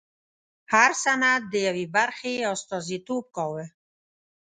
هر سند د یوې برخې استازیتوب کاوه.